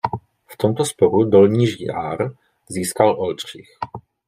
V tomto sporu Dolní Žďár získal Oldřich.